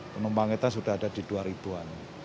penumpang kita sudah ada di dua ribu an